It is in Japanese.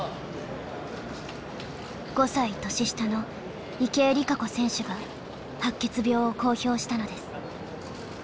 ５歳年下の池江璃花子選手が白血病を公表したのです。